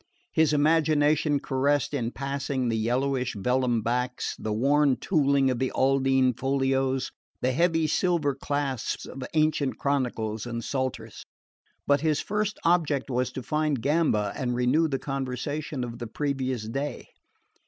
His imagination caressed in passing the yellowish vellum backs, the worn tooling of Aldine folios, the heavy silver clasps of ancient chronicles and psalters; but his first object was to find Gamba and renew the conversation of the previous day.